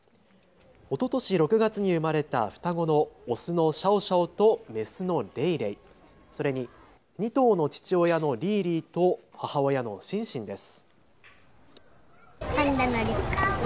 おととし６月に生まれた双子のオスのシャオシャオとメスのレイレイ、それに２頭の父親のリーリーと母親のシンシンです。